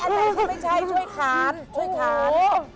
อันไหนที่ไม่ใช่ช่วยค้าน